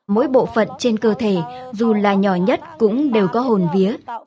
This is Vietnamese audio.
mỗi bộ phận trên cơ thể dù là nhỏ nhất cũng đều có hồn vía